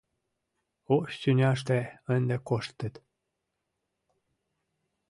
Ош тӱняште ынде коштыт